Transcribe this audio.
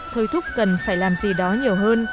thời thúc cần phải làm gì đó nhiều hơn